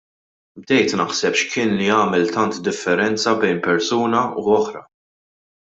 Bdejt naħseb x'kien li jagħmel tant differenza bejn persuna u oħra.